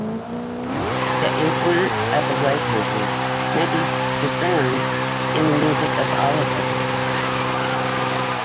The influence of the Low Countries may be discerned in the music of Oliver.